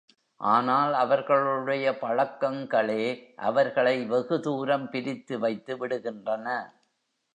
ஆனால் அவர்களுடைய பழக்கங்களே அவர்களை வெகுதூரம் பிரித்து வைத்து விடுகின்றன.